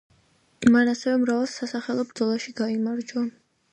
მან ასევე მრავალ სასახელო ბრძოლაში გაიმარჯვა.